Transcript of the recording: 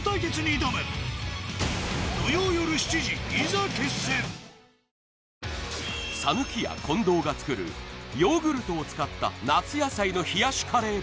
さぬきや近藤が作るヨーグルトを使った夏野菜の冷やしカレー